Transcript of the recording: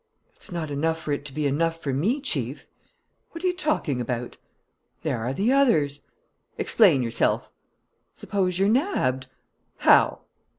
"It's not enough for it to be enough for me, Chief." "What are you talking about?" "There are the others." "Explain yourself." "Suppose you're nabbed?" "How?"